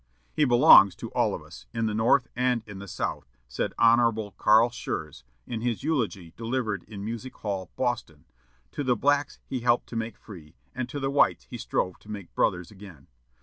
"He belongs to all of us, in the North and in the South," said Hon. Carl Schurz, in his eulogy delivered in Music Hall, Boston, "to the blacks he helped to make free, and to the whites he strove to make brothers again.